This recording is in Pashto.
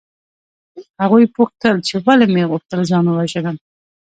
هغوی پوښتل چې ولې مې غوښتل ځان ووژنم